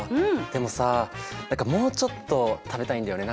でもさ何かもうちょっと食べたいんだよね。